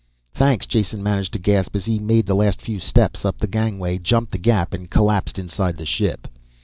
"Thanks " Jason managed to gasp as he made the last few steps up the gangway, jumped the gap and collapsed inside the ship.